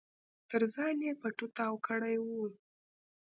تر ځان يې پټو تاو کړی و.